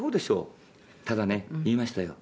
「ただね言いましたよ。